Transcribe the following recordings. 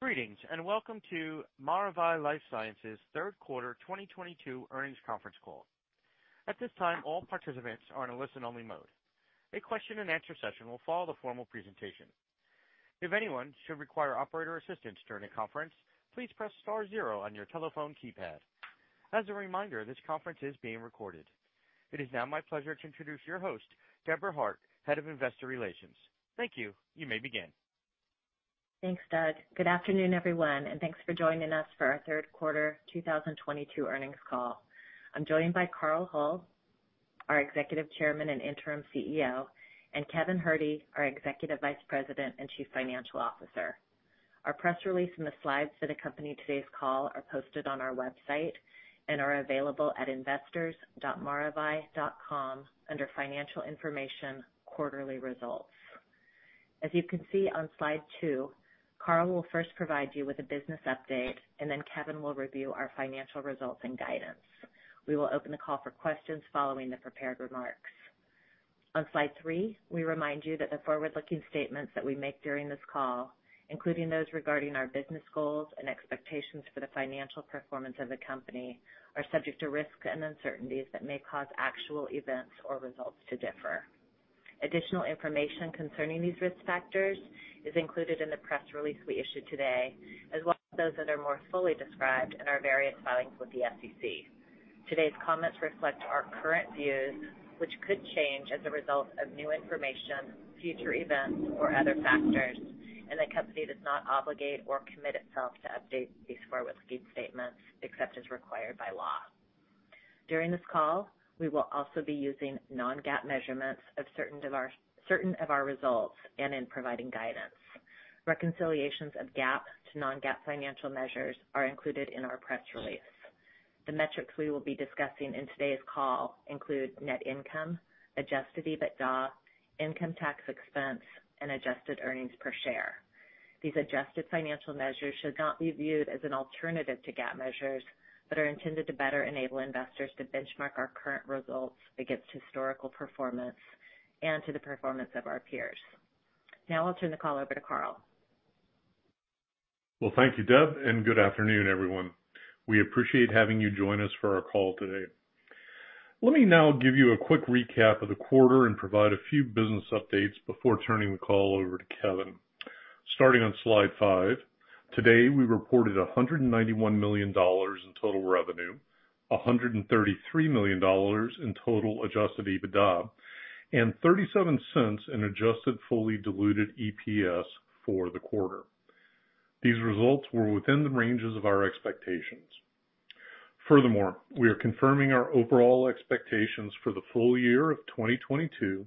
Greetings, and welcome to Maravai LifeSciences third quarter 2022 earnings conference call. At this time, all participants are in a listen-only mode. A question-and-answer session will follow the formal presentation. If anyone should require operator assistance during the conference, please press star zero on your telephone keypad. As a reminder, this conference is being recorded. It is now my pleasure to introduce your host, Deb Hart, Head of Investor Relations. Thank you. You may begin. Thanks, Doug. Good afternoon, everyone, and thanks for joining us for our third quarter 2022 earnings call. I'm joined by Carl Hull, our Executive Chairman and Interim CEO, and Kevin Herde, our Executive Vice President and Chief Financial Officer. Our press release and the slides that accompany today's call are posted on our website and are available at investors.maravai.com under Financial Information Quarterly Results. As you can see on slide 2, Carl will first provide you with a business update, and then Kevin will review our financial results and guidance. We will open the call for questions following the prepared remarks. On slide 3, we remind you that the forward-looking statements that we make during this call, including those regarding our business goals and expectations for the financial performance of the company, are subject to risks and uncertainties that may cause actual events or results to differ. Additional information concerning these risk factors is included in the press release we issued today, as well as those that are more fully described in our various filings with the SEC. Today's comments reflect our current views, which could change as a result of new information, future events, or other factors, and the company does not obligate or commit itself to update these forward-looking statements except as required by law. During this call, we will also be using non-GAAP measurements of certain drivers of our results and in providing guidance. Reconciliations of GAAP to non-GAAP financial measures are included in our press release. The metrics we will be discussing in today's call include net income, adjusted EBITDA, income tax expense, and adjusted earnings per share. These adjusted financial measures should not be viewed as an alternative to GAAP measures but are intended to better enable investors to benchmark our current results against historical performance and to the performance of our peers. Now I'll turn the call over to Carl. Well, thank you, Deb, and good afternoon, everyone. We appreciate having you join us for our call today. Let me now give you a quick recap of the quarter and provide a few business updates before turning the call over to Kevin. Starting on slide 5, today, we reported $191 million in total revenue, $133 million in total adjusted EBITDA, and $0.37 in adjusted fully diluted EPS for the quarter. These results were within the ranges of our expectations. Furthermore, we are confirming our overall expectations for the full year of 2022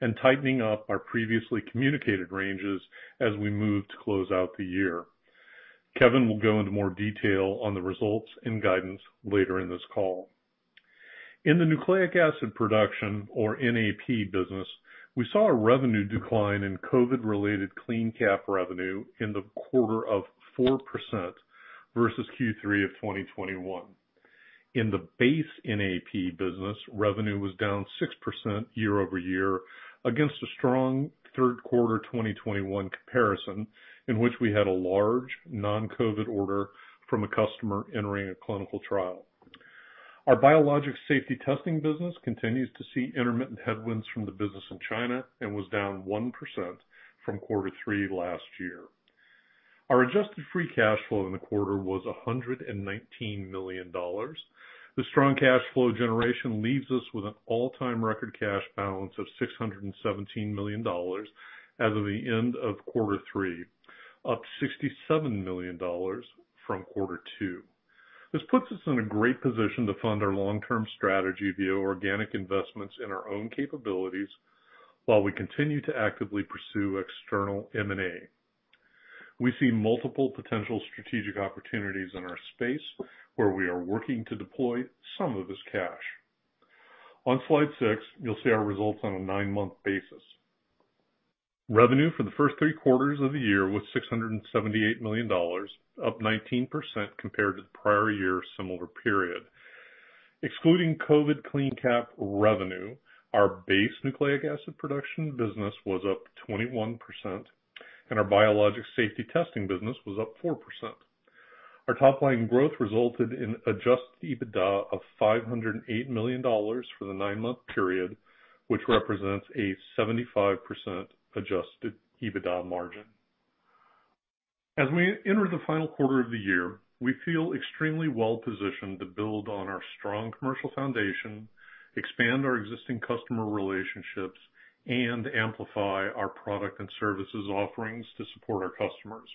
and tightening up our previously communicated ranges as we move to close out the year. Kevin will go into more detail on the results and guidance later in this call. In the Nucleic Acid Production, or NAP business, we saw a revenue decline in COVID-related CleanCap revenue in the quarter of 4% versus Q3 of 2021. In the base NAP business, revenue was down 6% year-over-year against a strong third quarter 2021 comparison in which we had a large non-COVID order from a customer entering a clinical trial. Our Biologics Safety Testing business continues to see intermittent headwinds from the business in China and was down 1% from quarter three last year. Our adjusted free cash flow in the quarter was $119 million. The strong cash flow generation leaves us with an all-time record cash balance of $617 million as of the end of quarter three, up $67 million from quarter two. This puts us in a great position to fund our long-term strategy via organic investments in our own capabilities while we continue to actively pursue external M&A. We see multiple potential strategic opportunities in our space, where we are working to deploy some of this cash. On slide 6, you'll see our results on a nine-month basis. Revenue for the first three quarters of the year was $678 million, up 19% compared to the prior year similar period. Excluding COVID CleanCap revenue, our base Nucleic Acid Production business was up 21%, and our Biologics Safety Testing business was up 4%. Our top-line growth resulted in adjusted EBITDA of $508 million for the nine-month period, which represents a 75% adjusted EBITDA margin. As we enter the final quarter of the year, we feel extremely well-positioned to build on our strong commercial foundation, expand our existing customer relationships, and amplify our product and services offerings to support our customers.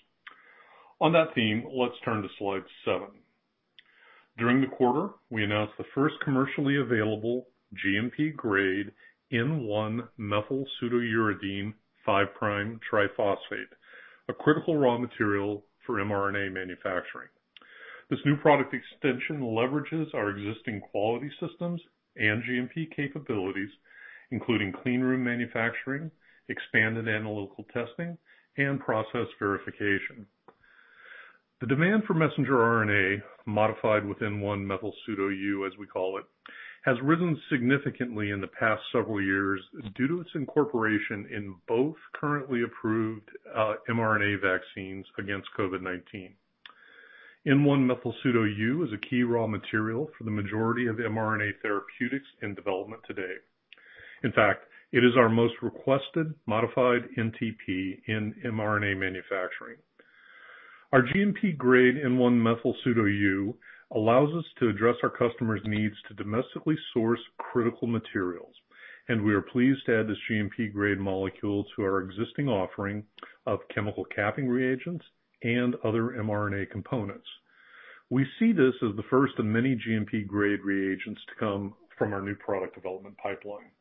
On that theme, let's turn to slide seven. During the quarter, we announced the first commercially available GMP-grade N1-methylpseudouridine-5'-triphosphate, a critical raw material for mRNA manufacturing. This new product extension leverages our existing quality systems and GMP capabilities, including clean room manufacturing, expanded analytical testing, and process verification. The demand for messenger RNA modified with N1-methylpseudoU, as we call it, has risen significantly in the past several years due to its incorporation in both currently approved mRNA vaccines against COVID-19. N1-methylpseudoU is a key raw material for the majority of mRNA therapeutics in development today. In fact, it is our most requested modified NTP in mRNA manufacturing. Our GMP grade N1-methylpseudoU allows us to address our customers' needs to domestically source critical materials, and we are pleased to add this GMP grade molecule to our existing offering of chemical capping reagents and other mRNA components. We see this as the first of many GMP grade reagents to come from our new product development pipeline.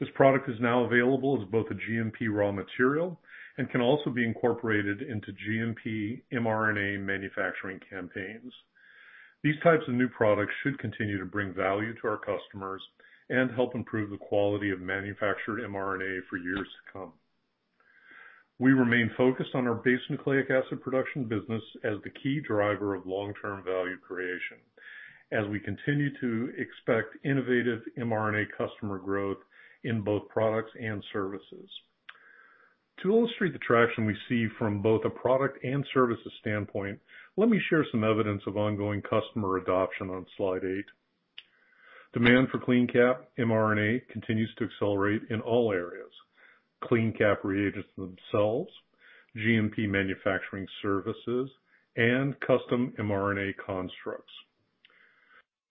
This product is now available as both a GMP raw material and can also be incorporated into GMP mRNA manufacturing campaigns. These types of new products should continue to bring value to our customers and help improve the quality of manufactured mRNA for years to come. We remain focused on our base Nucleic Acid Production business as the key driver of long-term value creation as we continue to expect innovative mRNA customer growth in both products and services. To illustrate the traction we see from both a product and services standpoint, let me share some evidence of ongoing customer adoption on slide 8. Demand for CleanCap mRNA continues to accelerate in all areas, CleanCap reagents themselves, GMP manufacturing services, and custom mRNA constructs.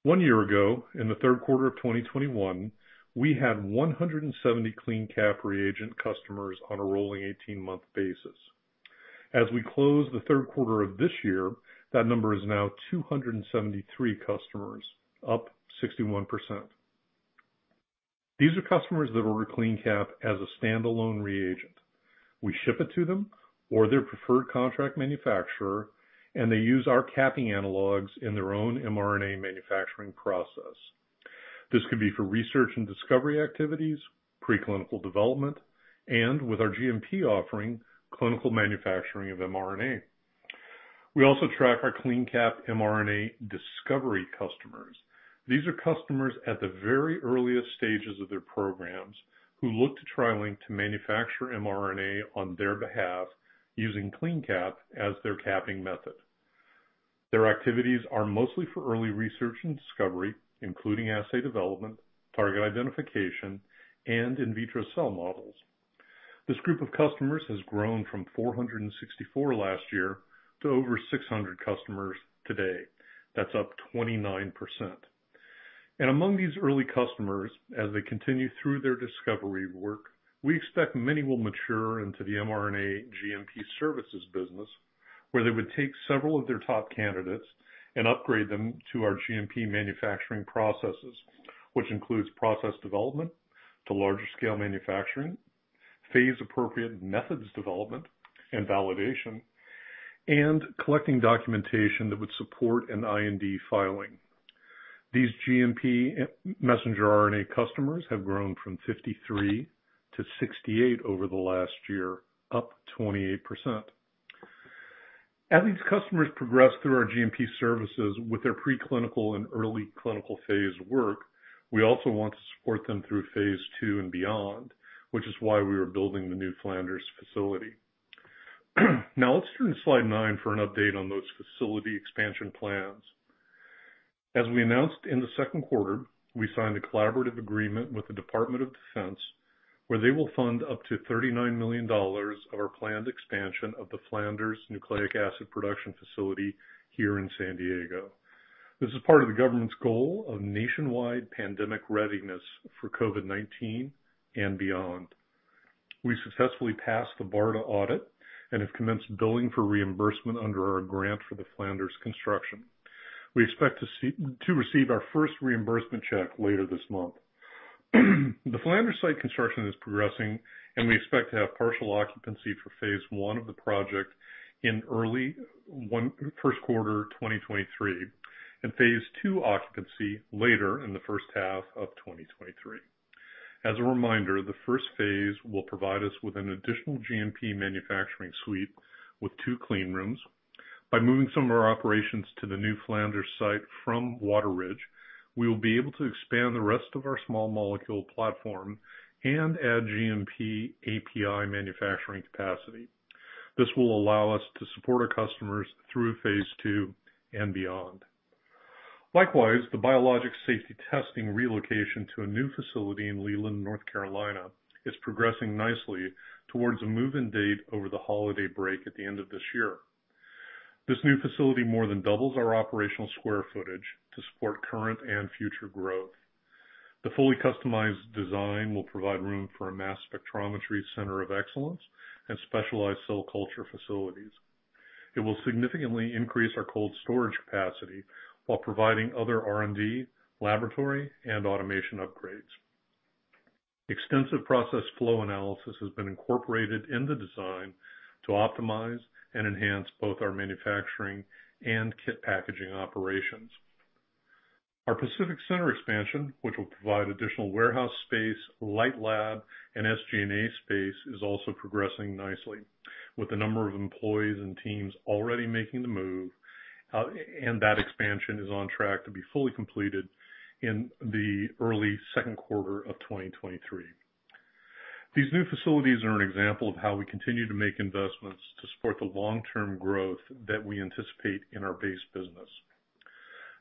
One year ago, in the third quarter of 2021, we had 170 CleanCap reagent customers on a rolling 18-month basis. As we close the third quarter of this year, that number is now 273 customers, up 61%. These are customers that order CleanCap as a standalone reagent. We ship it to them or their preferred contract manufacturer, and they use our capping analogs in their own mRNA manufacturing process. This could be for research and discovery activities, preclinical development, and with our GMP offering, clinical manufacturing of mRNA. We also track our CleanCap mRNA discovery customers. These are customers at the very earliest stages of their programs who look to TriLink to manufacture mRNA on their behalf using CleanCap as their capping method. Their activities are mostly for early research and discovery, including assay development, target identification, and in vitro cell models. This group of customers has grown from 464 last year to over 600 customers today. That's up 29%. Among these early customers, as they continue through their discovery work, we expect many will mature into the mRNA GMP services business, where they would take several of their top candidates and upgrade them to our GMP manufacturing processes, which includes process development to larger scale manufacturing, phase-appropriate methods development and validation, and collecting documentation that would support an IND filing. These GMP messenger RNA customers have grown from 53 to 68 over the last year, up 28%. As these customers progress through our GMP services with their preclinical and early clinical phase work, we also want to support them through phase two and beyond, which is why we are building the new Flanders facility. Now let's turn to slide 9 for an update on those facility expansion plans. As we announced in the second quarter, we signed a collaborative agreement with the Department of Defense, where they will fund up to $39 million of our planned expansion of the Flanders Nucleic Acid Production Facility here in San Diego. This is part of the government's goal of nationwide pandemic readiness for COVID-19 and beyond. We successfully passed the BARDA audit and have commenced billing for reimbursement under our grant for the Flanders construction. We expect to receive our first reimbursement check later this month. The Flanders site construction is progressing, and we expect to have partial occupancy for phase one of the project in early first quarter 2023, and phase two occupancy later in the first half of 2023. As a reminder, the first phase will provide us with an additional GMP manufacturing suite with two clean rooms. By moving some of our operations to the new Flanders site from Wateridge, we will be able to expand the rest of our small molecule platform and add GMP API manufacturing capacity. This will allow us to support our customers through phase two and beyond. Likewise, the Biologics Safety Testing relocation to a new facility in Leland, North Carolina, is progressing nicely towards a move-in date over the holiday break at the end of this year. This new facility more than doubles our operational square footage to support current and future growth. The fully customized design will provide room for a mass spectrometry center of excellence and specialized cell culture facilities. It will significantly increase our cold storage capacity while providing other R&D, laboratory, and automation upgrades. Extensive process flow analysis has been incorporated in the design to optimize and enhance both our manufacturing and kit packaging operations. Our Pacific Center expansion, which will provide additional warehouse space, light lab and SG&A space, is also progressing nicely with a number of employees and teams already making the move. That expansion is on track to be fully completed in the early second quarter of 2023. These new facilities are an example of how we continue to make investments to support the long-term growth that we anticipate in our base business.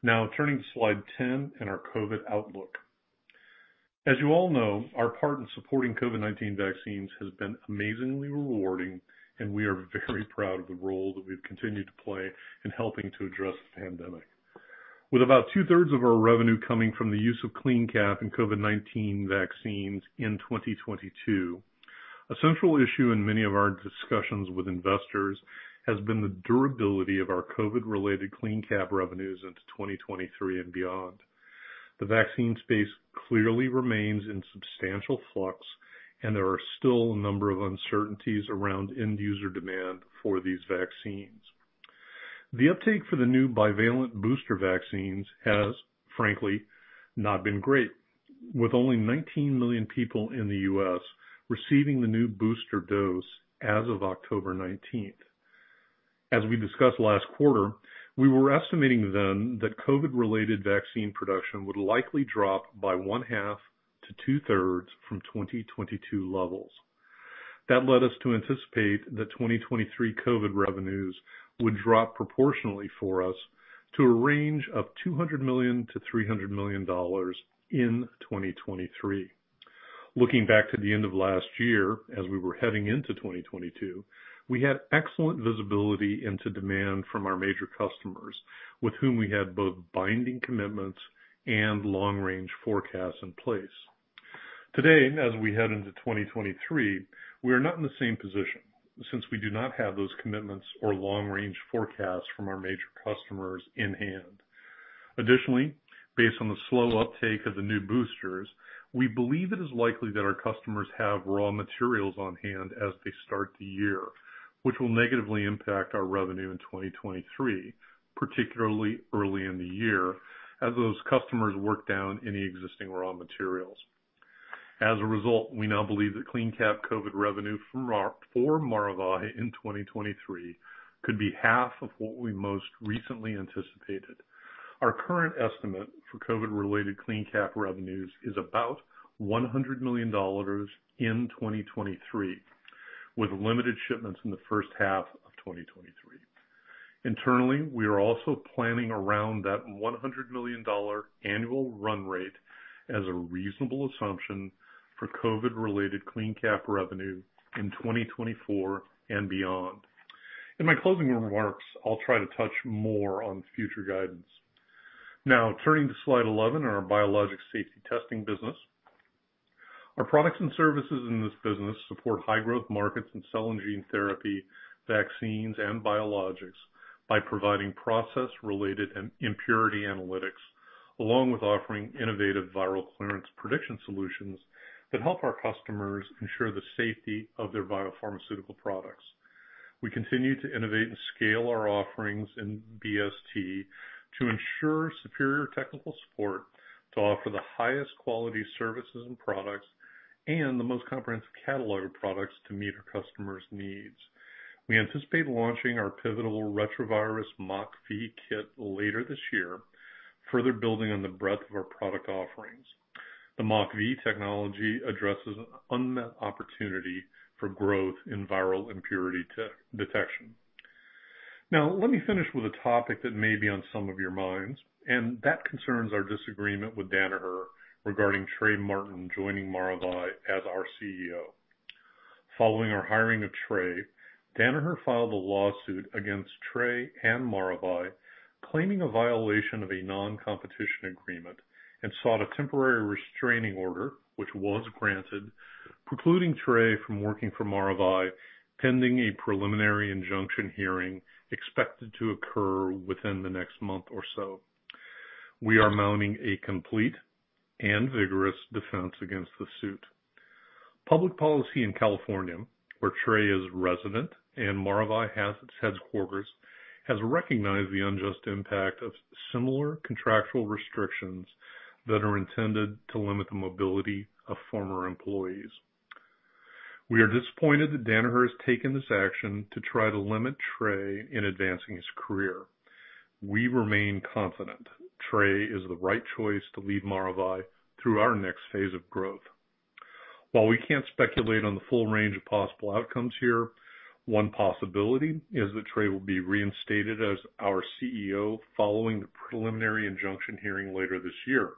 Now turning to slide 10 and our COVID outlook. As you all know, our part in supporting COVID-19 vaccines has been amazingly rewarding, and we are very proud of the role that we've continued to play in helping to address the pandemic. With about two-thirds of our revenue coming from the use of CleanCap in COVID-19 vaccines in 2022, a central issue in many of our discussions with investors has been the durability of our COVID-related CleanCap revenues into 2023 and beyond. The vaccine space clearly remains in substantial flux, and there are still a number of uncertainties around end user demand for these vaccines. The uptake for the new bivalent booster vaccines has, frankly, not been great. With only 19 million people in the U.S. receiving the new booster dose as of October nineteenth. As we discussed last quarter, we were estimating then that COVID-related vaccine production would likely drop by one-half to two-thirds from 2022 levels. That led us to anticipate that 2023 COVID revenues would drop proportionally for us to a range of $200 million-$300 million in 2023. Looking back to the end of last year as we were heading into 2022, we had excellent visibility into demand from our major customers with whom we had both binding commitments and long-range forecasts in place. Today, as we head into 2023, we are not in the same position since we do not have those commitments or long-range forecasts from our major customers in hand. Additionally, based on the slow uptake of the new boosters, we believe it is likely that our customers have raw materials on hand as they start the year, which will negatively impact our revenue in 2023, particularly early in the year as those customers work down any existing raw materials. As a result, we now believe that CleanCap COVID revenue for Maravai in 2023 could be half of what we most recently anticipated. Our current estimate for COVID-related CleanCap revenues is about $100 million in 2023, with limited shipments in the first half of 2023. Internally, we are also planning around that $100 million annual run rate as a reasonable assumption for COVID-related CleanCap revenue in 2024 and beyond. In my closing remarks, I'll try to touch more on future guidance. Now turning to slide 11 on our Biologics Safety Testing business. Our products and services in this business support high growth markets in cell and gene therapy, vaccines and biologics by providing process-related impurity analytics, along with offering innovative viral clearance prediction solutions that help our customers ensure the safety of their biopharmaceutical products. We continue to innovate and scale our offerings in BST to ensure superior technical support to offer the highest quality services and products, and the most comprehensive catalog of products to meet our customers' needs. We anticipate launching our pivotal retrovirus MockV kit later this year, further building on the breadth of our product offerings. The MockV technology addresses an unmet opportunity for growth in viral impurity detection. Now, let me finish with a topic that may be on some of your minds, and that concerns our disagreement with Danaher regarding Trey Martin joining Maravai as our CEO. Following our hiring of Trey, Danaher filed a lawsuit against Trey and Maravai, claiming a violation of a non-competition agreement and sought a temporary restraining order, which was granted, precluding Trey from working for Maravai pending a preliminary injunction hearing expected to occur within the next month or so. We are mounting a complete and vigorous defense against the suit. Public policy in California, where Trey is resident and Maravai has its headquarters, has recognized the unjust impact of similar contractual restrictions that are intended to limit the mobility of former employees. We are disappointed that Danaher has taken this action to try to limit Trey in advancing his career. We remain confident Trey is the right choice to lead Maravai through our next phase of growth. While we can't speculate on the full range of possible outcomes here, one possibility is that Trey will be reinstated as our CEO following the preliminary injunction hearing later this year.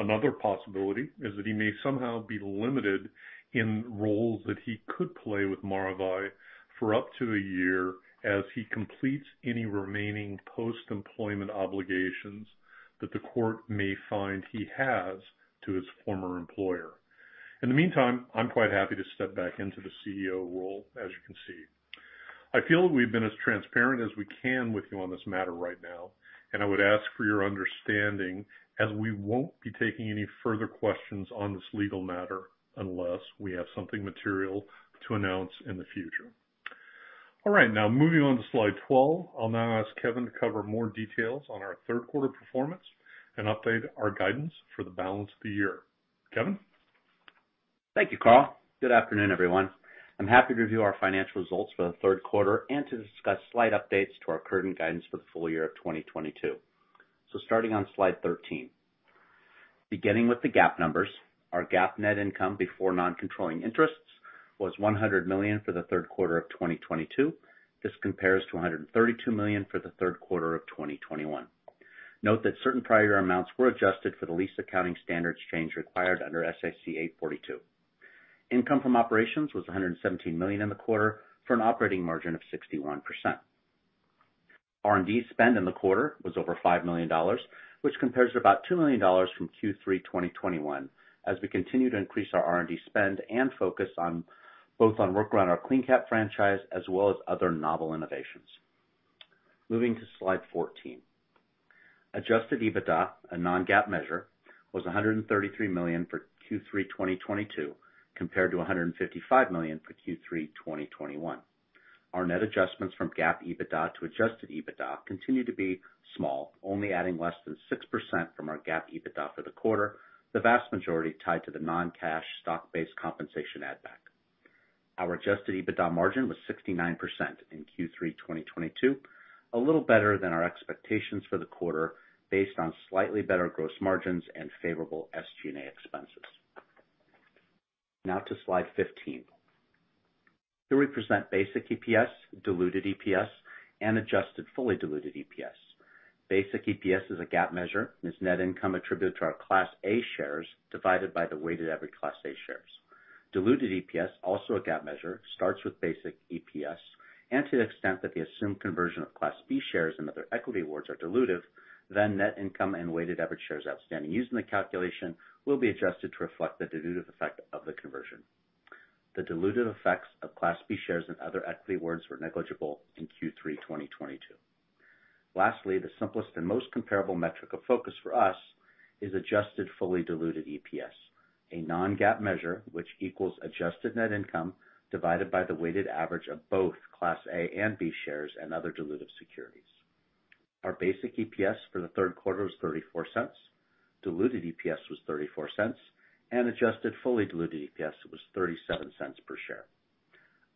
Another possibility is that he may somehow be limited in roles that he could play with Maravai for up to a year as he completes any remaining post-employment obligations that the court may find he has to his former employer. In the meantime, I'm quite happy to step back into the CEO role as you can see. I feel we've been as transparent as we can with you on this matter right now, and I would ask for your understanding as we won't be taking any further questions on this legal matter unless we have something material to announce in the future. All right, now moving on to slide 12. I'll now ask Kevin to cover more details on our third quarter performance and update our guidance for the balance of the year. Kevin? Thank you, Carl. Good afternoon, everyone. I'm happy to review our financial results for the third quarter and to discuss slight updates to our current guidance for the full year of 2022. Starting on slide 13. Beginning with the GAAP numbers, our GAAP net income before non-controlling interests was $100 million for the third quarter of 2022. This compares to $132 million for the third quarter of 2021. Note that certain prior amounts were adjusted for the lease accounting standards change required under ASC 842. Income from operations was $117 million in the quarter for an operating margin of 61%. R&D spend in the quarter was over $5 million, which compares to about $2 million from Q3 2021 as we continue to increase our R&D spend and focus on both work around our CleanCap franchise as well as other novel innovations. Moving to slide 14. Adjusted EBITDA, a non-GAAP measure, was $133 million for Q3 2022, compared to $155 million for Q3 2021. Our net adjustments from GAAP EBITDA to adjusted EBITDA continue to be small, only adding less than 6% from our GAAP EBITDA for the quarter, the vast majority tied to the non-cash stock-based compensation add back. Our adjusted EBITDA margin was 69% in Q3 2022, a little better than our expectations for the quarter based on slightly better gross margins and favorable SG&A expenses. Now to slide 15. Here we present basic EPS, diluted EPS, and adjusted fully diluted EPS. Basic EPS is a GAAP measure and is net income attributed to our Class A shares divided by the weighted average Class A shares. Diluted EPS, also a GAAP measure, starts with basic EPS, and to the extent that the assumed conversion of Class B shares and other equity awards are dilutive, then net income and weighted average shares outstanding used in the calculation will be adjusted to reflect the dilutive effect of the conversion. The dilutive effects of Class B shares and other equity awards were negligible in Q3 2022. Lastly, the simplest and most comparable metric of focus for us is adjusted fully diluted EPS, a non-GAAP measure which equals adjusted net income divided by the weighted average of both Class A and B shares and other dilutive securities. Our basic EPS for the third quarter was $0.34, diluted EPS was $0.34, and adjusted fully diluted EPS was $0.37 per share.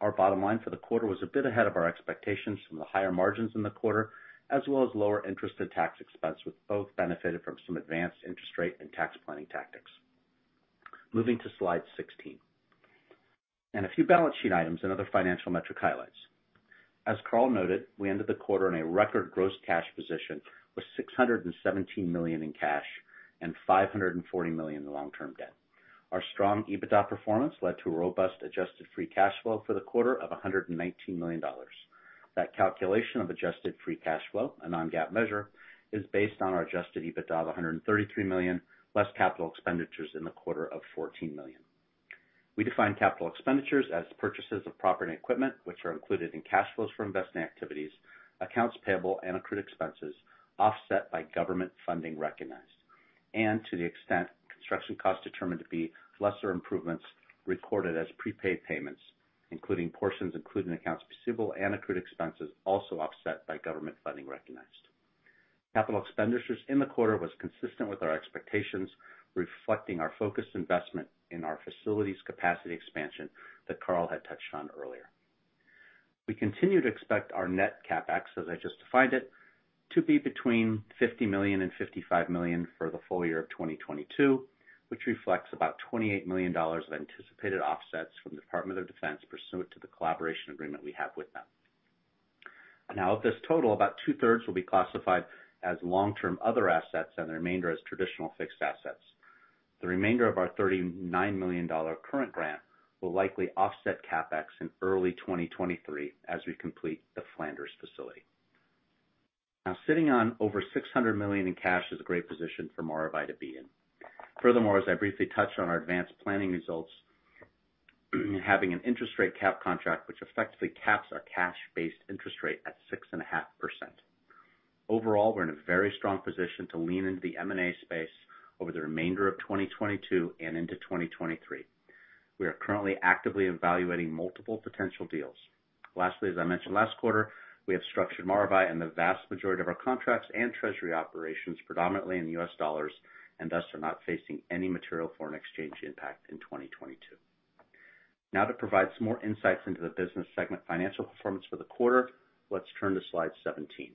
Our bottom line for the quarter was a bit ahead of our expectations from the higher margins in the quarter, as well as lower interest and tax expense, with both benefited from some advanced interest rate and tax planning tactics. Moving to slide 16. A few balance sheet items and other financial metric highlights. As Carl noted, we ended the quarter in a record gross cash position with $617 million in cash and $540 million in long-term debt. Our strong EBITDA performance led to a robust adjusted free cash flow for the quarter of $119 million. That calculation of adjusted free cash flow, a non-GAAP measure, is based on our adjusted EBITDA of $133 million less capital expenditures in the quarter of $14 million. We define capital expenditures as purchases of property and equipment, which are included in cash flows from investing activities, accounts payable, and accrued expenses offset by government funding recognized, and to the extent construction costs determined to be lesser improvements recorded as prepaid payments, including portions included in accounts receivable and accrued expenses also offset by government funding recognized. Capital expenditures in the quarter was consistent with our expectations, reflecting our focused investment in our facilities capacity expansion that Carl had touched on earlier. We continue to expect our net CapEx, as I just defined it, to be between $50 million and $55 million for the full year of 2022, which reflects about $28 million of anticipated offsets from the Department of Defense pursuant to the collaboration agreement we have with them. Now of this total, about two-thirds will be classified as long-term other assets and the remainder as traditional fixed assets. The remainder of our $39 million current grant will likely offset CapEx in early 2023 as we complete the Flanders facility. Now, sitting on over $600 million in cash is a great position for Maravai to be in. Furthermore, as I briefly touched on our advanced planning results, having an interest rate cap contract which effectively caps our cash-based interest rate at 6.5%. Overall, we're in a very strong position to lean into the M&A space over the remainder of 2022 and into 2023. We are currently actively evaluating multiple potential deals. Lastly, as I mentioned last quarter, we have structured Maravai and the vast majority of our contracts and treasury operations predominantly in U.S. dollars and thus are not facing any material foreign exchange impact in 2022. Now to provide some more insights into the business segment financial performance for the quarter, let's turn to slide 17.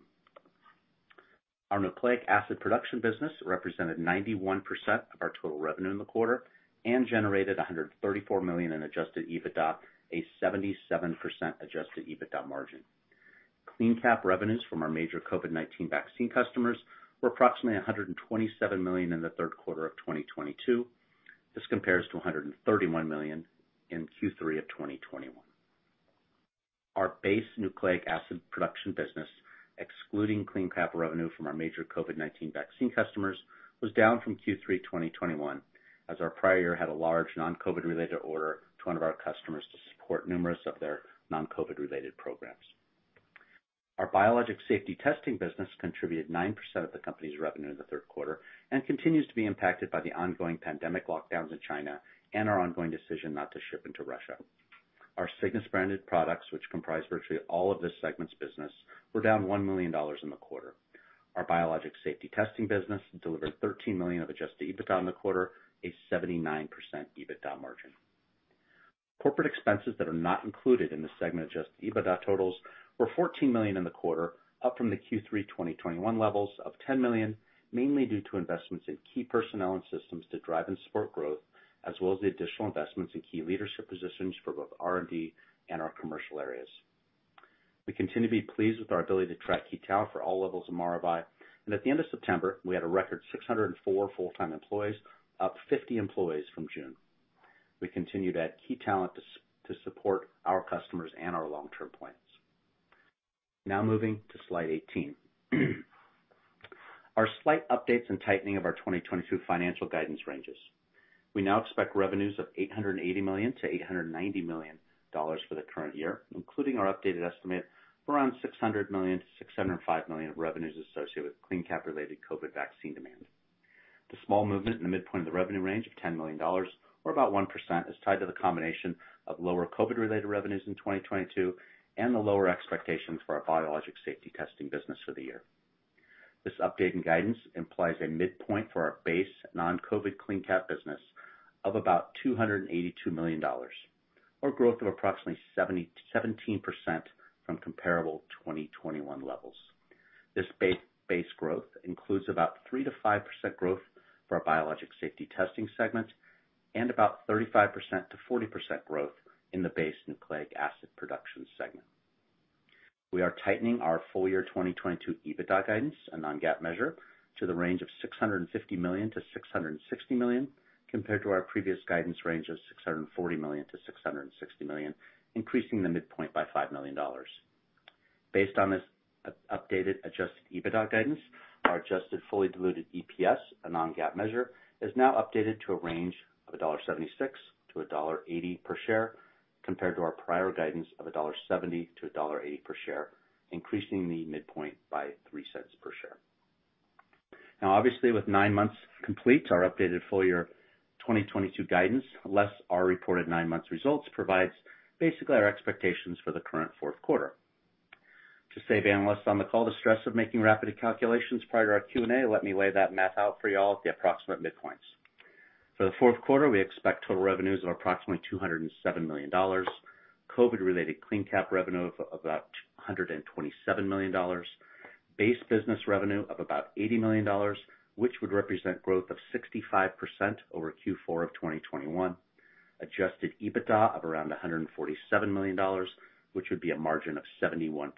Our nucleic acid production business represented 91% of our total revenue in the quarter and generated $134 million in adjusted EBITDA, a 77% adjusted EBITDA margin. CleanCap revenues from our major COVID-19 vaccine customers were approximately $127 million in the third quarter of 2022. This compares to $131 million in Q3 of 2021. Our base Nucleic Acid Production business, excluding CleanCap revenue from our major COVID-19 vaccine customers, was down from Q3 2021, as our prior year had a large non-COVID related order to one of our customers to support numerous of their non-COVID related programs. Our Biologics Safety Testing business contributed 9% of the company's revenue in the third quarter, and continues to be impacted by the ongoing pandemic lockdowns in China and our ongoing decision not to ship into Russia. Our Cygnus-branded products, which comprise virtually all of this segment's business, were down $1 million in the quarter. Our Biologics Safety Testing business delivered $13 million of adjusted EBITDA in the quarter, a 79% EBITDA margin. Corporate expenses that are not included in the segment adjusted EBITDA totals were $14 million in the quarter, up from the Q3 2021 levels of $10 million, mainly due to investments in key personnel and systems to drive and support growth, as well as the additional investments in key leadership positions for both R&D and our commercial areas. We continue to be pleased with our ability to attract key talent for all levels of Maravai, and at the end of September, we had a record 604 full-time employees, up 50 employees from June. We continue to add key talent to support our customers and our long-term plans. Now moving to slide 18. Our slight updates and tightening of our 2022 financial guidance ranges. We now expect revenues of $880 million-$890 million for the current year, including our updated estimate for around $600 million-$605 million of revenues associated with CleanCap-related COVID vaccine demand. The small movement in the midpoint of the revenue range of $10 million or about 1% is tied to the combination of lower COVID-related revenues in 2022 and the lower expectations for our Biologics Safety Testing business for the year. This update in guidance implies a midpoint for our base non-COVID CleanCap business of about $282 million or growth of approximately 17% from comparable 2021 levels. This base growth includes about 3%-5% growth for our Biologics Safety Testing segment and about 35%-40% growth in the base Nucleic Acid Production segment. We are tightening our full year 2022 EBITDA guidance, a non-GAAP measure, to the range of $650 million-$660 million, compared to our previous guidance range of $640 million-$660 million, increasing the midpoint by $5 million. Based on this updated adjusted EBITDA guidance, our adjusted fully diluted EPS, a non-GAAP measure, is now updated to a range of $1.76-$1.80 per share, compared to our prior guidance of $1.70-$1.80 per share, increasing the midpoint by three cents per share. Now obviously, with 9 months complete, our updated full year 2022 guidance, less our reported 9 months results, provides basically our expectations for the current fourth quarter. To save analysts on the call the stress of making rapid calculations prior to our Q&A, let me lay that math out for you all at the approximate midpoints. For the fourth quarter, we expect total revenues of approximately $207 million. COVID-related CleanCap revenue of about $227 million. Base business revenue of about $80 million, which would represent growth of 65% over Q4 of 2021. Adjusted EBITDA of around $147 million, which would be a margin of 71%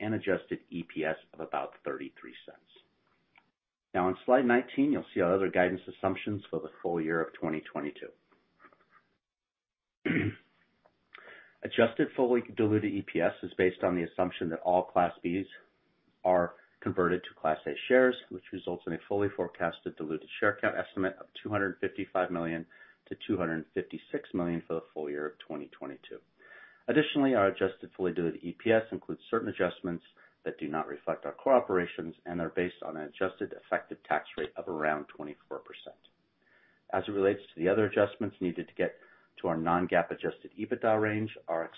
and adjusted EPS of about $0.33. Now on slide 19, you'll see our other guidance assumptions for the full year of 2022. Adjusted fully diluted EPS is based on the assumption that all Class B shares are converted to Class A shares, which results in a fully forecasted diluted share count estimate of 255 million-256 million for the full year of 2022. Additionally, our adjusted fully diluted EPS includes certain adjustments that do not reflect our core operations and are based on an adjusted effective tax rate of around 24%. As it relates to the other adjustments needed to get to our non-GAAP adjusted EBITDA range, our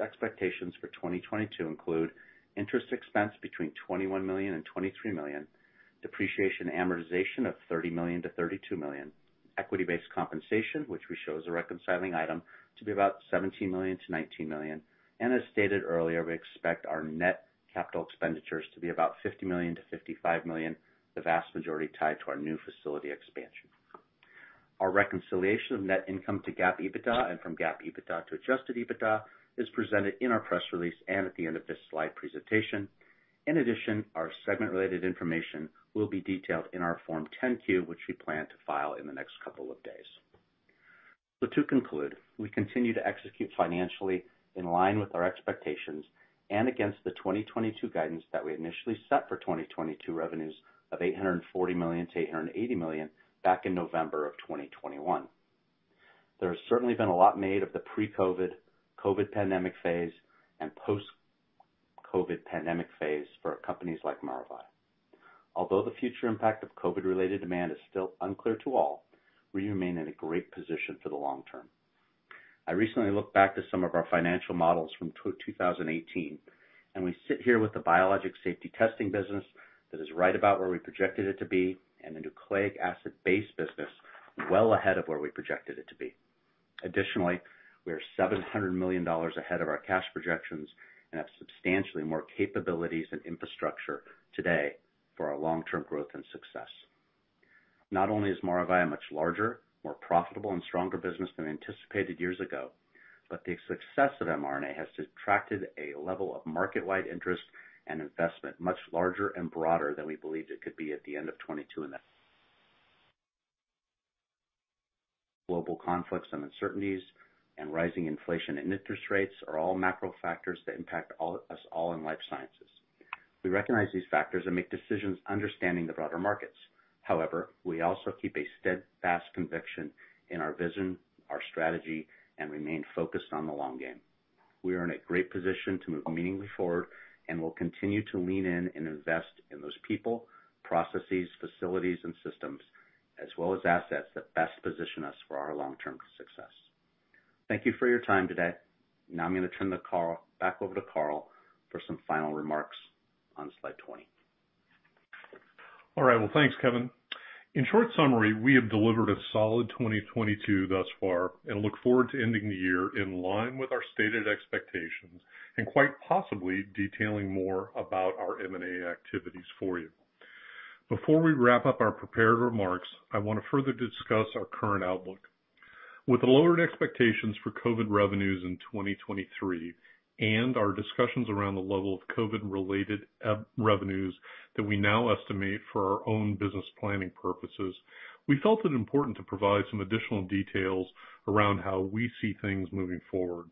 expectations for 2022 include interest expense between $21 million and $23 million, depreciation and amortization of $30 million-$32 million, equity-based compensation, which we show as a reconciling item, to be about $17 million-$19 million, and as stated earlier, we expect our net capital expenditures to be about $50 million-$55 million, the vast majority tied to our new facility expansion. Our reconciliation of net income to GAAP EBITDA and from GAAP EBITDA to adjusted EBITDA is presented in our press release and at the end of this slide presentation. In addition, our segment-related information will be detailed in our Form 10-Q, which we plan to file in the next couple of days. To conclude, we continue to execute financially in line with our expectations and against the 2022 guidance that we initially set for 2022 revenues of $840 million-$880 million back in November 2021. There has certainly been a lot made of the pre-COVID, COVID pandemic phase, and post-COVID pandemic phase for companies like Maravai. Although the future impact of COVID-related demand is still unclear to all, we remain in a great position for the long term. I recently looked back to some of our financial models from 2018, and we sit here with the Biologics Safety Testing business that is right about where we projected it to be and the nucleic acid-based business well ahead of where we projected it to be. Additionally, we are $700 million ahead of our cash projections and have substantially more capabilities and infrastructure today for our long-term growth and success. Not only is Maravai a much larger, more profitable, and stronger business than anticipated years ago, but the success of mRNA has attracted a level of market-wide interest and investment much larger and broader than we believed it could be at the end of 2022. Global conflicts and uncertainties and rising inflation and interest rates are all macro factors that impact us all in life sciences. We recognize these factors and make decisions understanding the broader markets. However, we also keep a steadfast conviction in our vision, our strategy, and remain focused on the long game. We are in a great position to move meaningfully forward, and we'll continue to lean in and invest in those people, processes, facilities, and systems, as well as assets that best position us for our long-term success. Thank you for your time today. Now I'm gonna turn the call back over to Carl for some final remarks on slide 20. All right. Well, thanks, Kevin. In short summary, we have delivered a solid 2022 thus far and look forward to ending the year in line with our stated expectations and quite possibly detailing more about our M&A activities for you. Before we wrap up our prepared remarks, I wanna further discuss our current outlook. With the lowered expectations for COVID revenues in 2023 and our discussions around the level of COVID-related revenues that we now estimate for our own business planning purposes, we felt it important to provide some additional details around how we see things moving forward.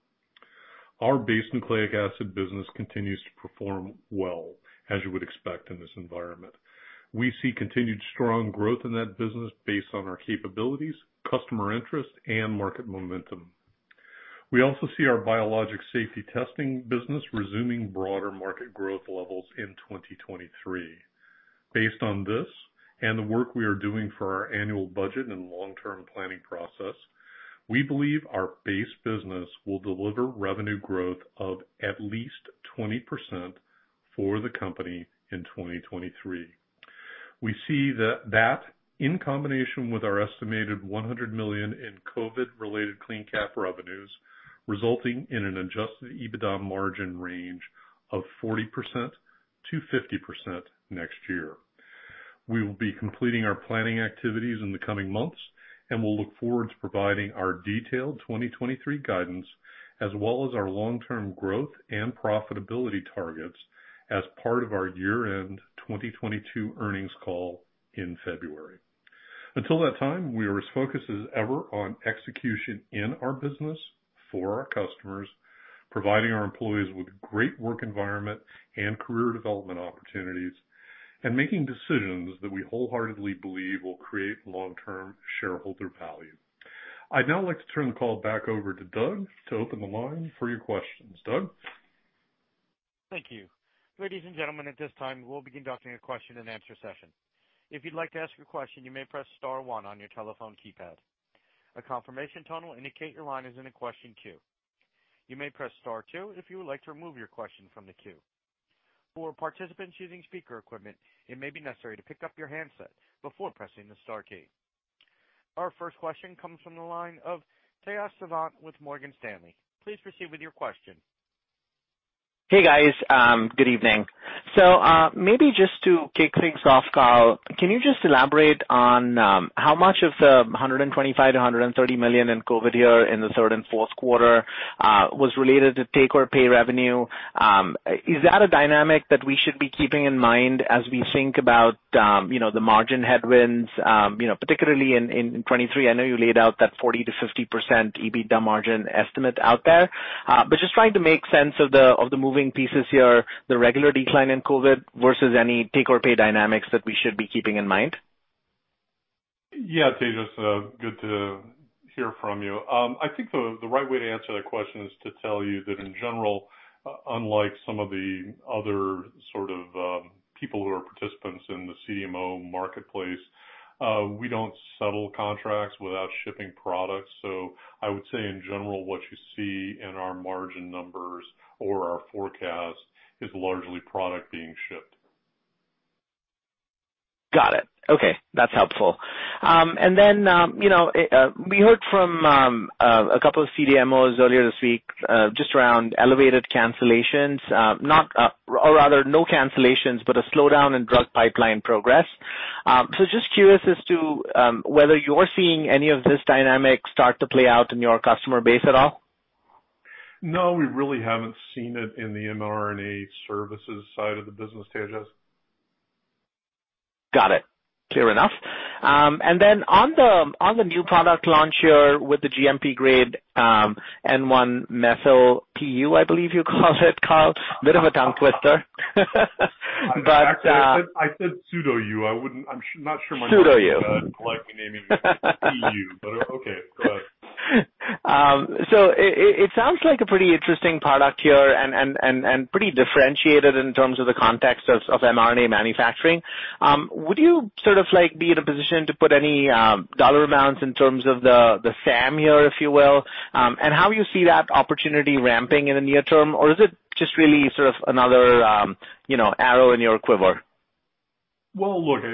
Our base Nucleic Acid business continues to perform well, as you would expect in this environment. We see continued strong growth in that business based on our capabilities, customer interest, and market momentum. We also see our Biologics Safety Testing business resuming broader market growth levels in 2023. Based on this and the work we are doing for our annual budget and long-term planning process, we believe our base business will deliver revenue growth of at least 20% for the company in 2023. We see that, in combination with our estimated $100 million in COVID-related CleanCap revenues, resulting in an adjusted EBITDA margin range of 40%-50% next year. We will be completing our planning activities in the coming months, and we'll look forward to providing our detailed 2023 guidance as well as our long-term growth and profitability targets as part of our year-end 2022 earnings call in February. Until that time, we are as focused as ever on execution in our business for our customers, providing our employees with great work environment and career development opportunities, and making decisions that we wholeheartedly believe will create long-term shareholder value. I'd now like to turn the call back over to Doug to open the line for your questions. Doug? Thank you. Ladies and gentlemen, at this time, we'll begin conducting a question-and-answer session. If you'd like to ask a question, you may press star one on your telephone keypad. A confirmation tone will indicate your line is in a question queue. You may press star two if you would like to remove your question from the queue. For participants using speaker equipment, it may be necessary to pick up your handset before pressing the star key. Our first question comes from the line of Tejas Savant with Morgan Stanley. Please proceed with your question. Hey, guys. Good evening. Maybe just to kick things off, Carl, can you just elaborate on how much of the $125-$130 million in COVID here in the third and fourth quarter was related to take-or-pay revenue? Is that a dynamic that we should be keeping in mind as we think about, you know, the margin headwinds, you know, particularly in 2023? I know you laid out that 40%-50% EBITDA margin estimate out there. But just trying to make sense of the moving pieces here, the regular decline in COVID versus any take-or-pay dynamics that we should be keeping in mind. Yeah, Tejas, good to hear from you. I think the right way to answer that question is to tell you that in general, unlike some of the other sort of people who are participants in the CMO marketplace, we don't settle contracts without shipping products. I would say in general, what you see in our margin numbers or our forecast is largely product being shipped. Got it. Okay, that's helpful. You know, we heard from a couple of CDMOs earlier this week, just around elevated cancellations, or rather no cancellations, but a slowdown in drug pipeline progress. Just curious as to whether you're seeing any of this dynamic start to play out in your customer base at all. No, we really haven't seen it in the mRNA services side of the business, Tejas. Got it. Clear enough. On the new product launch here with the GMP grade N1-methylpseudoU, I believe you call it, Carl, bit of a tongue twister. Actually, I said pseudo U. I'm not sure. N1-methylpseudoU. My colleagues would like me naming it Pu, but okay, go ahead. It sounds like a pretty interesting product here and pretty differentiated in terms of the context of mRNA manufacturing. Would you sort of like be in a position to put any dollar amounts in terms of the SAM here, if you will? How you see that opportunity ramping in the near term? Or is it just really sort of another you know, arrow in your quiver? Well, look,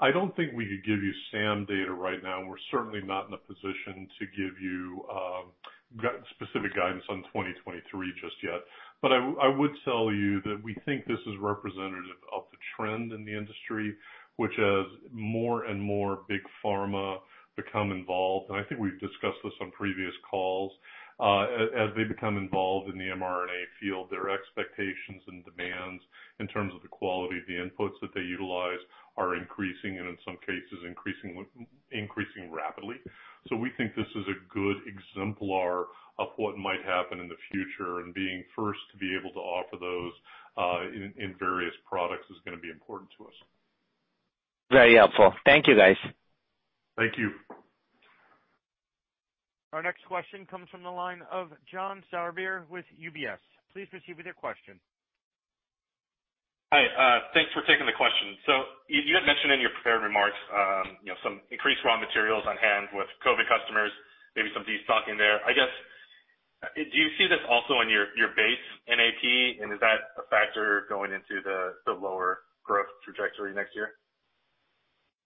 I don't think we could give you SAM data right now, and we're certainly not in a position to give you specific guidance on 2023 just yet. I would tell you that we think this is representative of the trend in the industry, which as more and more big pharma become involved, and I think we've discussed this on previous calls, as they become involved in the mRNA field, their expectations and demands in terms of the quality of the inputs that they utilize are increasing and in some cases, increasing rapidly. We think this is a good exemplar of what might happen in the future, and being first to be able to offer those in various products is gonna be important to us. Very helpful. Thank you, guys. Thank you. Our next question comes from the line of John Sourbeer with UBS. Please proceed with your question. Hi. Thanks for taking the question. You had mentioned in your prepared remarks, you know, some increased raw materials on hand with COVID customers, maybe some destocking there. I guess, do you see this also in your base NAP, and is that a factor going into the lower growth trajectory next year?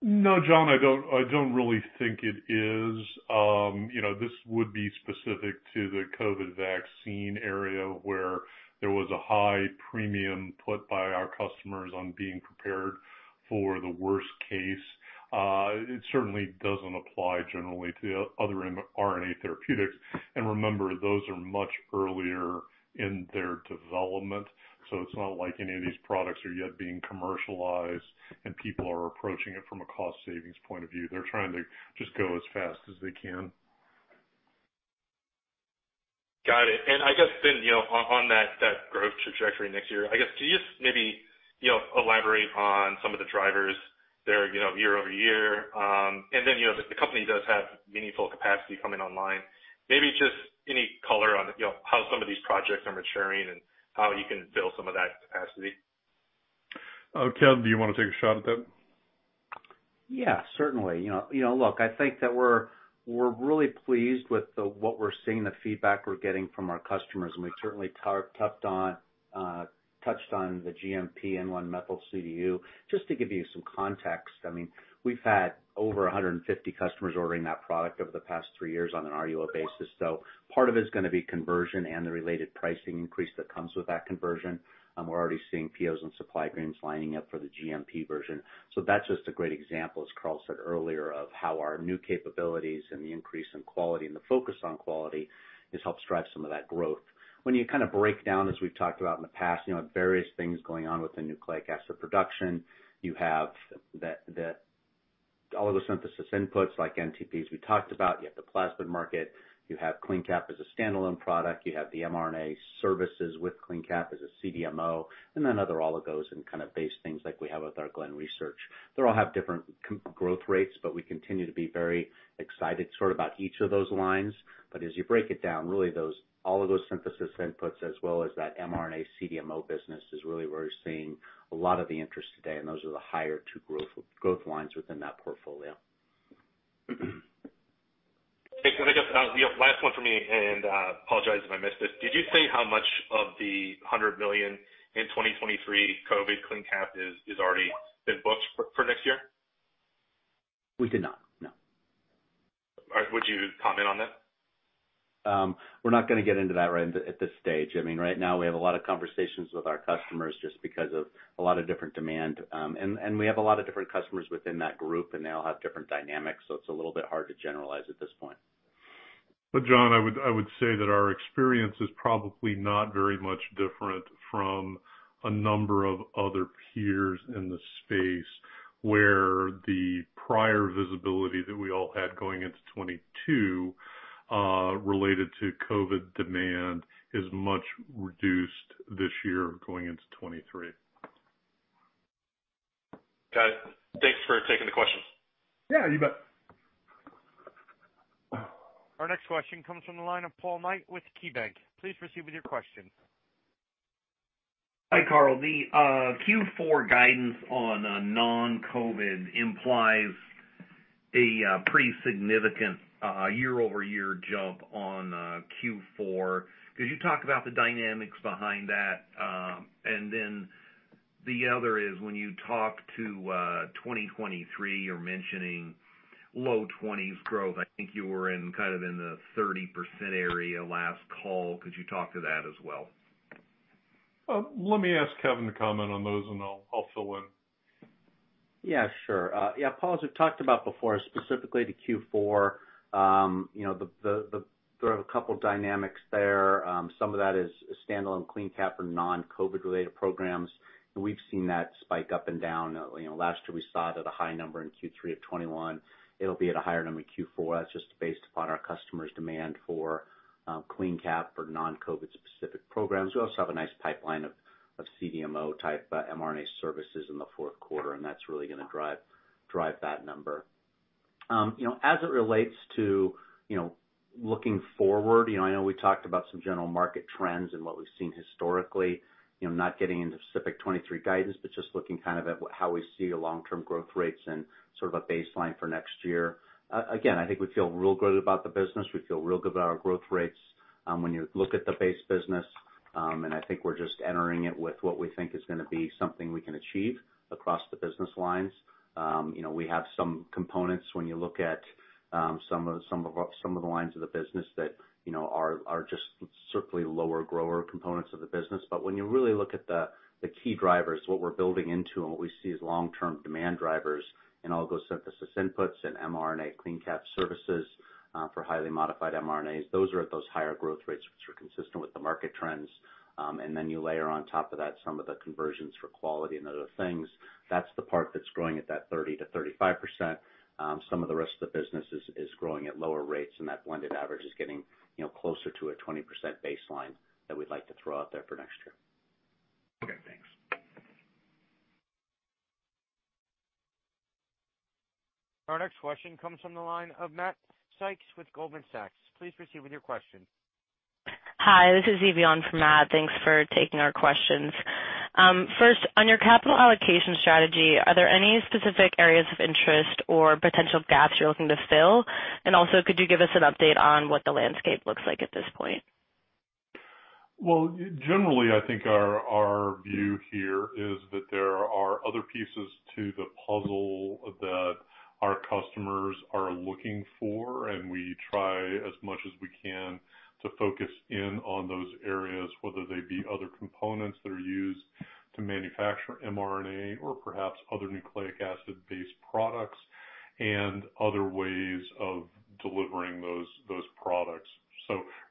No, John, I don't really think it is. You know, this would be specific to the COVID vaccine area where there was a high premium put by our customers on being prepared for the worst case. It certainly doesn't apply generally to other mRNA therapeutics. Remember, those are much earlier in their development, so it's not like any of these products are yet being commercialized and people are approaching it from a cost savings point of view. They're trying to just go as fast as they can. Got it. I guess then, you know, on that growth trajectory next year, I guess, can you just maybe, you know, elaborate on some of the drivers there, you know, year-over-year, and then, you know, if the company does have meaningful capacity coming online, maybe just any color on, you know, how some of these projects are maturing and how you can fill some of that capacity? Kevin, do you wanna take a shot at that? Yeah, certainly. You know, look, I think that we're really pleased with what we're seeing, the feedback we're getting from our customers, and we certainly touched on the GMP N1-methylpseudouridine. Just to give you some context, I mean, we've had over 150 customers ordering that product over the past three years on an RUO basis. So part of it's gonna be conversion and the related pricing increase that comes with that conversion. We're already seeing POs and supply agreements lining up for the GMP version. So that's just a great example, as Carl said earlier, of how our new capabilities and the increase in quality and the focus on quality has helped drive some of that growth. When you kind of break down as we've talked about in the past, you know, various things going on with the Nucleic Acid Production, you have the oligosynthesis inputs like NTPs we talked about. You have the plasmid market, you have CleanCap as a standalone product, you have the mRNA services with CleanCap as a CDMO, and then other oligos and kind of base things like we have with our Glen Research. They all have different growth rates, but we continue to be very excited sort of about each of those lines. As you break it down, really those all of those synthesis inputs as well as that mRNA CDMO business is really where we're seeing a lot of the interest today, and those are the higher two growth lines within that portfolio. Hey, can I just, you know, last one for me, and apologize if I missed it. Did you say how much of the $100 million in 2023 COVID CleanCap is already booked for next year? We did not. No. All right. Would you comment on that? We're not gonna get into that right at this stage. I mean, right now we have a lot of conversations with our customers just because of a lot of different demand, and we have a lot of different customers within that group, and they all have different dynamics, so it's a little bit hard to generalize at this point. John Sourbeer, I would say that our experience is probably not very much different from a number of other peers in the space, where the prior visibility that we all had going into 2022 related to COVID demand is much reduced this year going into 2023. Got it. Thanks for taking the question. Yeah, you bet. Our next question comes from the line of Paul Knight with KeyBanc. Please proceed with your question. Hi, Carl. The Q4 guidance on non-COVID implies a pretty significant year-over-year jump on Q4. Could you talk about the dynamics behind that? The other is when you talk to 2023, you're mentioning low 20s% growth. I think you were in kind of the 30% area last call. Could you talk to that as well? Let me ask Kevin to comment on those, and I'll fill in. Yeah, sure. Yeah, Paul, as we've talked about before, specifically the Q4, you know, there are a couple dynamics there. Some of that is standalone CleanCap or non-COVID related programs, and we've seen that spike up and down. You know, last year we saw it at a high number in Q3 of 2021. It'll be at a higher number in Q4. That's just based upon our customers' demand for CleanCap for non-COVID specific programs. We also have a nice pipeline of CDMO type mRNA services in the fourth quarter, and that's really gonna drive that number. You know, as it relates to, you know, looking forward, you know, I know we talked about some general market trends and what we've seen historically, you know, not getting into specific 2023 guidance, but just looking kind of at how we see long-term growth rates and sort of a baseline for next year. Again, I think we feel real good about the business. We feel real good about our growth rates, when you look at the base business, and I think we're just entering it with what we think is gonna be something we can achieve across the business lines. You know, we have some components when you look at, some of the lines of the business that, you know, are just certainly lower grower components of the business. When you really look at the key drivers, what we're building into and what we see as long-term demand drivers in oligosynthesis inputs and mRNA CleanCap services, for highly modified mRNAs, those are at those higher growth rates which are consistent with the market trends. You layer on top of that some of the conversions for quality and other things. That's the part that's growing at that 30%-35%. Some of the rest of the business is growing at lower rates, and that blended average is getting, you know, closer to a 20% baseline that we'd like to throw out there for next year. Okay, thanks. Our next question comes from the line of Matt Sykes with Goldman Sachs. Please proceed with your question. Hi, this is Evelyn for Matt. Thanks for taking our questions. First, on your capital allocation strategy, are there any specific areas of interest or potential gaps you're looking to fill? Could you give us an update on what the landscape looks like at this point? Well, generally, I think our view here is that there are other pieces to the puzzle that our customers are looking for, and we try as much as we can to focus in on those areas, whether they be other components that are used to manufacture mRNA or perhaps other nucleic acid-based products and other ways of delivering those products.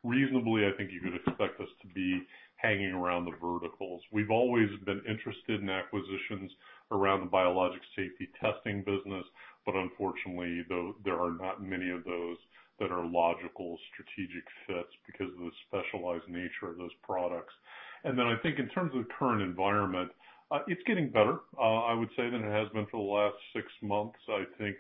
Reasonably, I think you could expect us to be hanging around the verticals. We've always been interested in acquisitions around the biologics safety testing business, but unfortunately, there are not many of those that are logical strategic fits because of the specialized nature of those products. I think in terms of the current environment, it's getting better, I would say, than it has been for the last six months. I think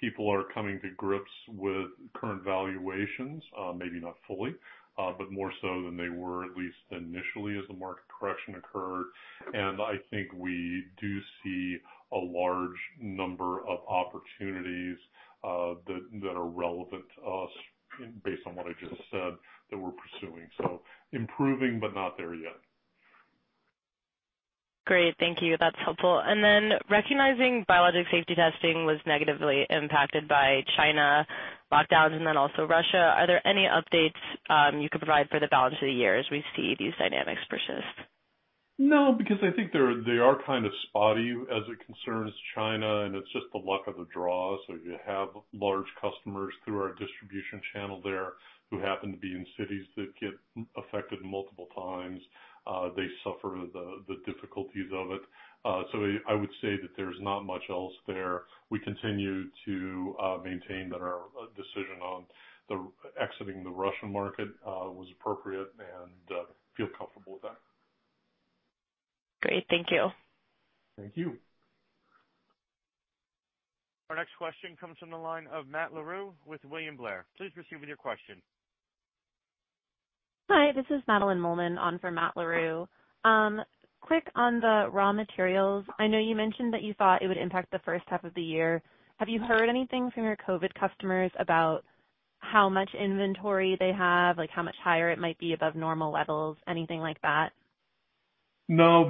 people are coming to grips with current valuations, maybe not fully, but more so than they were at least initially as the market correction occurred. I think we do see a large number of opportunities, that are relevant to us based on what I just said that we're pursuing. Improving but not there yet. Great. Thank you. That's helpful. Recognizing Biologics Safety Testing was negatively impacted by China lockdowns and then also Russia, are there any updates, you could provide for the balance of the year as we see these dynamics persist? No, because I think they are kind of spotty as it concerns China, and it's just the luck of the draw. You have large customers through our distribution channel there who happen to be in cities that get affected multiple times. They suffer the difficulties of it. I would say that there's not much else there. We continue to maintain that our decision on exiting the Russian market was appropriate and feel comfortable with that. Great. Thank you. Thank you. Our next question comes from the line of Matt Larew with William Blair. Please proceed with your question. Hi, this is Madeline Mollman on for Matt Larew. Quick on the raw materials. I know you mentioned that you thought it would impact the first half of the year. Have you heard anything from your COVID customers about how much inventory they have? Like, how much higher it might be above normal levels, anything like that? No.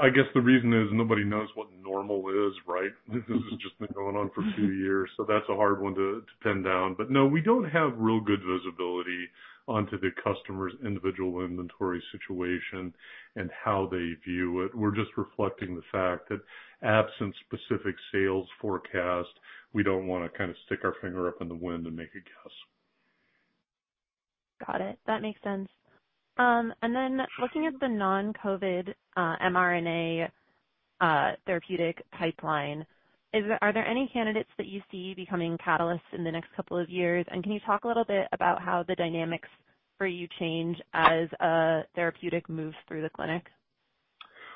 I guess the reason is nobody knows what normal is, right? This has just been going on for two years, so that's a hard one to pin down. No, we don't have real good visibility onto the customer's individual inventory situation and how they view it. We're just reflecting the fact that absent specific sales forecast, we don't wanna kinda stick our finger up in the wind and make a guess. Got it. That makes sense. Looking at the non-COVID mRNA therapeutic pipeline, are there any candidates that you see becoming catalysts in the next couple of years? Can you talk a little bit about how the dynamics for you change as a therapeutic move through the clinic?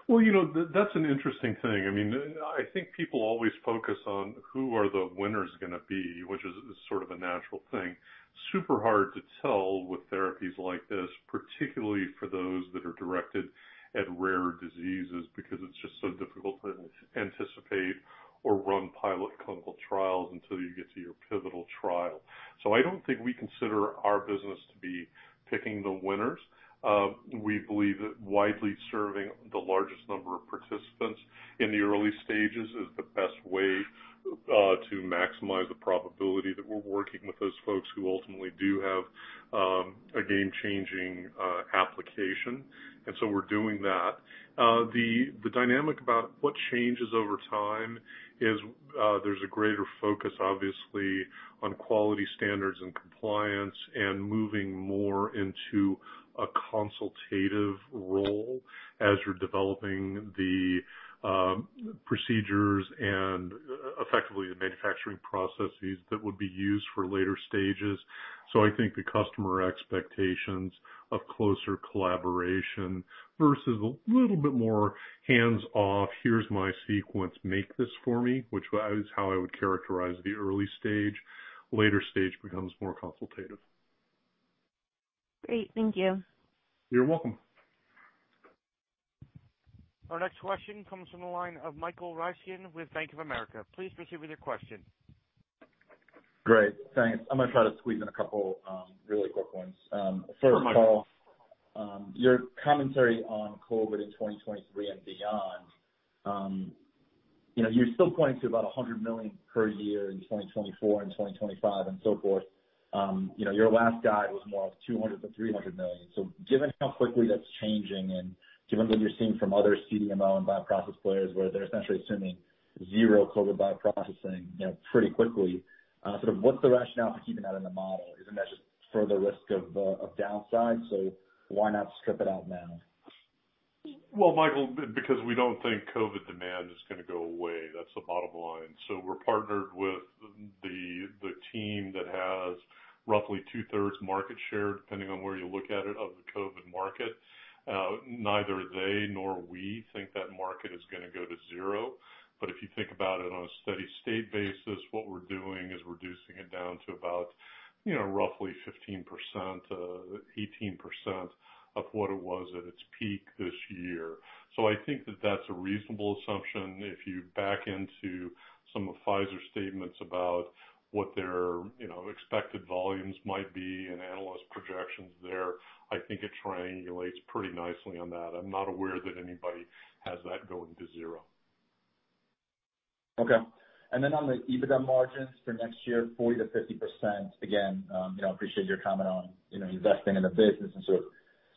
Well, you know, that's an interesting thing. I mean, I think people always focus on who are the winners gonna be, which is sort of a natural thing. Super hard to tell with therapies like this, particularly for those that are directed at rare diseases, because it's just so difficult to anticipate or run pilot clinical trials until you get to your pivotal trial. I don't think we consider our business to be picking the winners. We believe that widely serving the largest number of participants in the early stages is the best way to maximize the probability that we're working with those folks who ultimately do have a game-changing application. We're doing that. The dynamic about what changes over time is there's a greater focus, obviously, on quality standards and compliance and moving more into a consultative role as you're developing the procedures and effectively the manufacturing processes that would be used for later stages. I think the customer expectations of closer collaboration versus a little bit more hands-off, "Here's my sequence, make this for me," which was how I would characterize the early stage. Later stage becomes more consultative. Great. Thank you. You're welcome. Our next question comes from the line of Michael Ryskin with Bank of America. Please proceed with your question. Great, thanks. I'm gonna try to squeeze in a couple, really quick ones. Sure, Michael. Paul, your commentary on COVID in 2023 and beyond, you know, you're still pointing to about $100 million per year in 2024 and 2025 and so forth. You know, your last guide was more of $200 million-$300 million. Given how quickly that's changing and given what you're seeing from other CDMO and bioprocess players where they're essentially assuming zero COVID bioprocessing, you know, pretty quickly, sort of what's the rationale for keeping that in the model? Isn't that just further risk of downside? Why not strip it out now? Well, Michael, because we don't think COVID demand is gonna go away. That's the bottom line. We're partnered with the team that has roughly two-thirds market share, depending on where you look at it, of the COVID market, neither they nor we think that market is gonna go to zero. If you think about it on a steady state basis, what we're doing is reducing it down to about, you know, roughly 15%, 18% of what it was at its peak this year. I think that that's a reasonable assumption. If you back into some of Pfizer's statements about what their, you know, expected volumes might be and analyst projections there, I think it triangulates pretty nicely on that. I'm not aware that anybody has that going to zero. Okay. Then on the EBITDA margins for next year, 40%-50%. Again, you know, appreciate your comment on, you know, investing in the business and sort of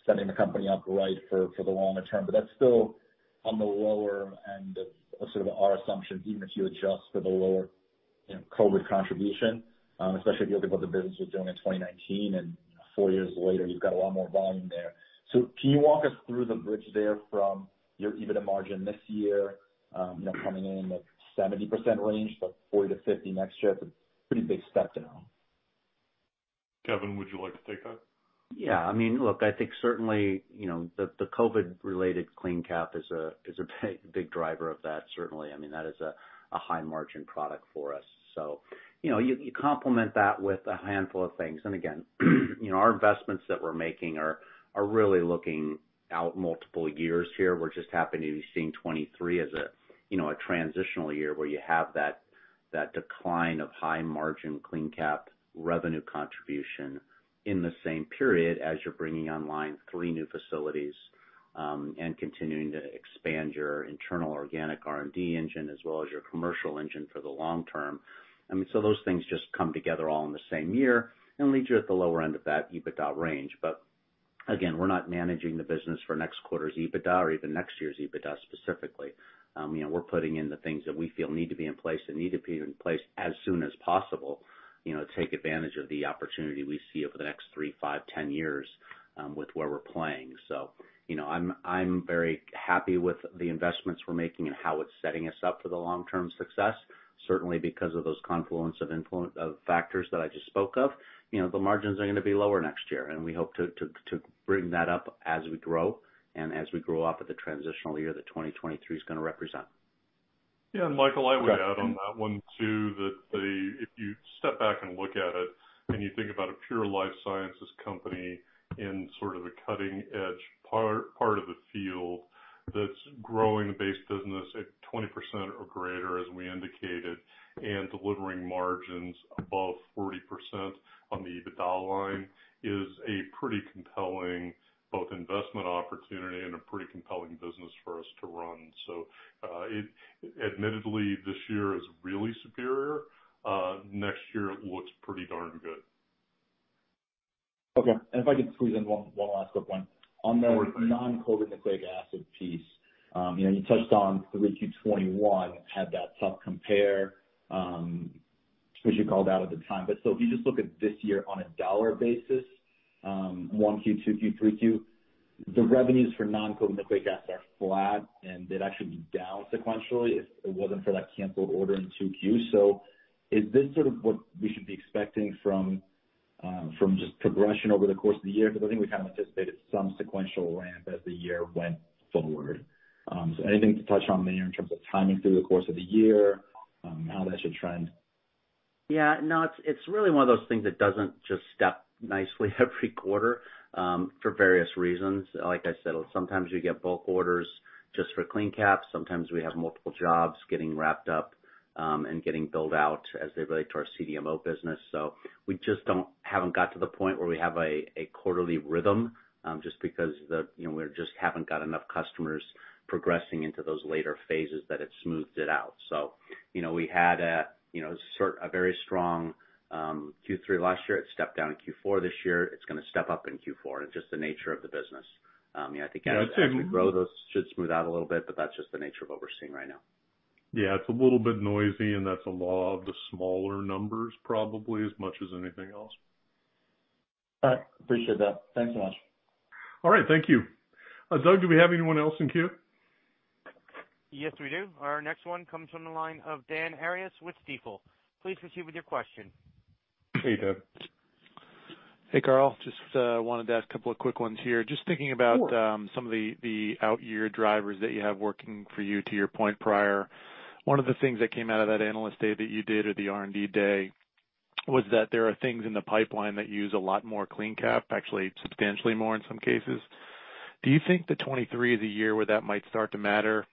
setting the company up right for the longer term. But that's still on the lower end of sort of our assumption, even if you adjust for the lower, you know, COVID contribution, especially if you look at what the business was doing in 2019, and 4 years later, you've got a lot more volume there. Can you walk us through the bridge there from your EBITDA margin this year, you know, coming in at 70% range, but 40%-50% next year? That's a pretty big step down. Kevin, would you like to take that? Yeah. I mean, look, I think certainly, you know, the COVID-related CleanCap is a big driver of that, certainly. I mean, that is a high margin product for us. So, you know, you complement that with a handful of things. Again, you know, our investments that we're making are really looking out multiple years here. We're just happy to be seeing 2023 as a, you know, a transitional year where you have that decline of high margin CleanCap revenue contribution in the same period as you're bringing online 3 new facilities, and continuing to expand your internal organic R&D engine as well as your commercial engine for the long term. I mean, those things just come together all in the same year and leave you at the lower end of that EBITDA range. Again, we're not managing the business for next quarter's EBITDA or even next year's EBITDA specifically. You know, we're putting in the things that we feel need to be in place and need to be in place as soon as possible, you know, to take advantage of the opportunity we see over the next 3, 5, 10 years, with where we're playing. You know, I'm very happy with the investments we're making and how it's setting us up for the long-term success. Certainly because of those confluence of factors that I just spoke of, you know, the margins are gonna be lower next year, and we hope to bring that up as we grow and as we grow off of the transitional year that 2023 is gonna represent. those things that doesn't just step nicely every quarter, for various reasons. Like I said, sometimes we get bulk orders just for CleanCap. Sometimes we have multiple jobs getting wrapped up, and getting built out as they relate to our CDMO business. We just haven't got to the point where we have a quarterly rhythm, just because, you know, we just haven't got enough customers progressing into those later phases that it smoothed it out. You know, we had a very strong Q3 last year. It stepped down in Q4 this year. It's gonna step up in Q4, and it's just the nature of the business. You know, I think as we grow, those should smooth out a little bit, but that's just the nature of what we're seeing right now. Yeah, it's a little bit noisy, and that's a law of the smaller numbers probably as much as anything else. All right. Appreciate that. Thanks so much. All right. Thank you. Doug, do we have anyone else in queue? Yes, we do. Our next one comes from the line of Daniel Arias with Stifel. Please proceed with your question. Hey, Doug. Hey, Carl. Just wanted to ask a couple of quick ones here. Just thinking about Sure. Some of the out year drivers that you have working for you, to your point prior, one of the things that came out of that analyst day that you did or the R&D day was that there are things in the pipeline that use a lot more CleanCap, actually substantially more in some cases. Do you think that 2023 is a year where that might start to matter?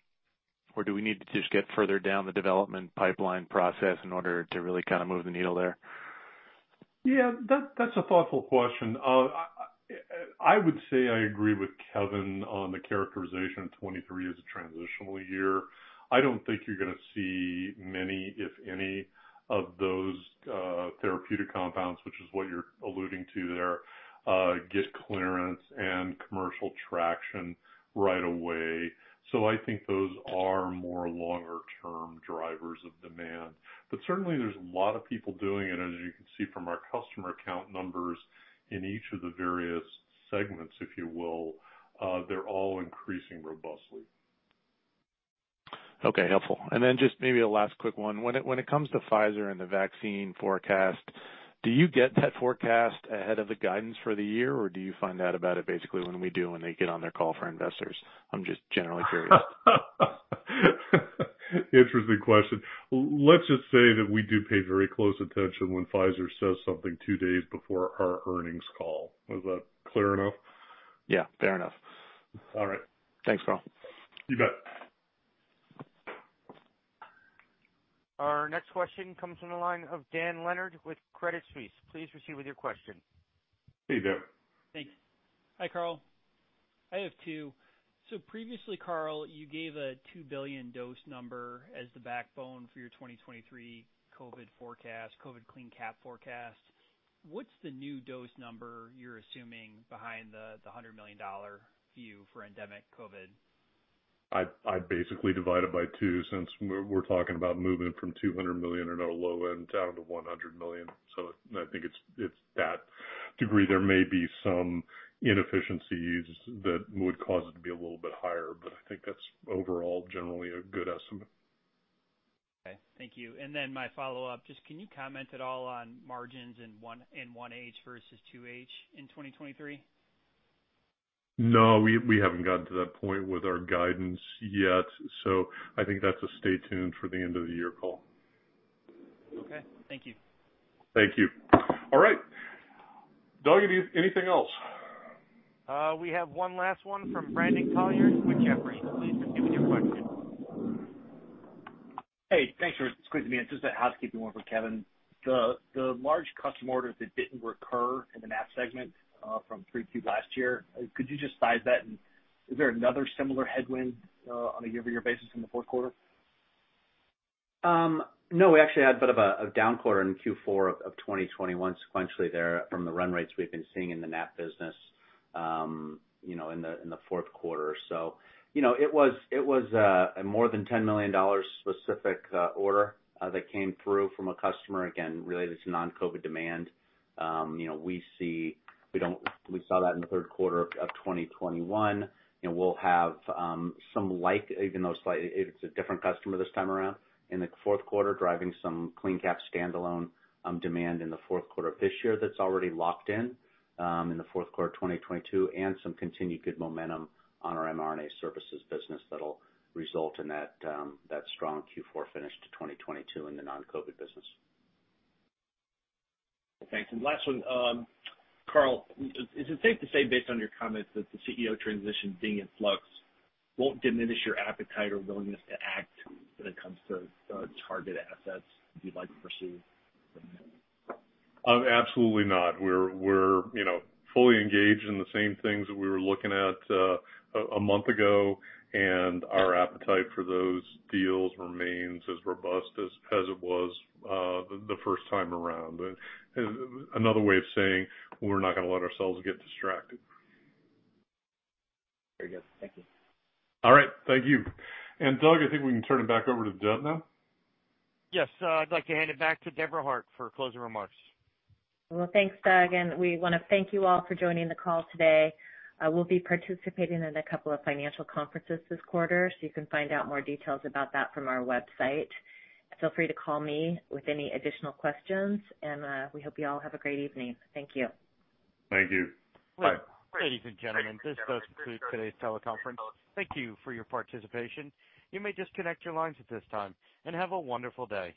Or do we need to just get further down the development pipeline process in order to really kind of move the needle there? Yeah, that's a thoughtful question. I would say I agree with Kevin on the characterization of 2023 as a transitional year. I don't think you're gonna see many, if any, of those therapeutic compounds, which is what you're alluding to there, get clearance and commercial traction right away. I think those are more longer term drivers of demand. Certainly there's a lot of people doing it, as you can see from our customer account numbers in each of the various segments, if you will. They're all increasing robustly. Okay, helpful. Just maybe a last quick one. When it comes to Pfizer and the vaccine forecast, do you get that forecast ahead of the guidance for the year or do you find out about it basically when we do, when they get on their call for investors? I'm just generally curious. Interesting question. Let's just say that we do pay very close attention when Pfizer says something two days before our earnings call. Was that clear enough? Yeah, fair enough. All right. Thanks, Carl. You bet. Our next question comes from the line of Dan Leonard with Credit Suisse. Please proceed with your question. Hey, Dan. Thanks. Hi, Carl. I have two. Previously, Carl, you gave a 2 billion dose number as the backbone for your 2023 COVID forecast, COVID CleanCap forecast. What's the new dose number you're assuming behind the $100 million view for endemic COVID? I basically divide it by two since we're talking about moving from $200 million in our low end down to $100 million. I think it's that degree. There may be some inefficiencies that would cause it to be a little bit higher, but I think that's overall generally a good estimate. Okay, thank you. My follow-up, just can you comment at all on margins in 1H versus 2H in 2023? No, we haven't gotten to that point with our guidance yet, so I think that's a stay tuned for the end of the year call. Okay, thank you. Thank you. All right. Doug, do you have anything else? We have one last one from Brandon Couillard with Jefferies. Please proceed with your question. Hey, thanks for squeezing me in. Just a housekeeping one for Kevin. The large custom orders that didn't recur in the NAT segment from 3Q last year, could you just size that and is there another similar headwind on a year-over-year basis in the fourth quarter? No, we actually had a bit of a down quarter in Q4 of 2021 sequentially there from the run rates we've been seeing in the NAT business, you know, in the fourth quarter. You know, it was a more than $10 million specific order that came through from a customer, again, related to non-COVID demand. You know, we saw that in the third quarter of 2021, and we'll have some like, even though it's a different customer this time around, in the fourth quarter, driving some CleanCap standalone demand in the fourth quarter of this year that's already locked in in the fourth quarter of 2022, and some continued good momentum on our mRNA services business that'll result in that strong Q4 finish to 2022 in the non-COVID business. Thanks. Last one, Carl, is it safe to say, based on your comments, that the CEO transition being in flux won't diminish your appetite or willingness to act when it comes to target assets you'd like to pursue? Absolutely not. We're, you know, fully engaged in the same things that we were looking at a month ago, and our appetite for those deals remains as robust as it was the first time around. Another way of saying we're not gonna let ourselves get distracted. Very good. Thank you. All right. Thank you. Doug, I think we can turn it back over to Deb now. Yes. I'd like to hand it back to Deb Hart for closing remarks. Well, thanks, Doug, and we wanna thank you all for joining the call today. We'll be participating in a couple of financial conferences this quarter, so you can find out more details about that from our website. Feel free to call me with any additional questions and, we hope you all have a great evening. Thank you. Thank you. Bye. Ladies and gentlemen, this does conclude today's teleconference. Thank you for your participation. You may disconnect your lines at this time, and have a wonderful day.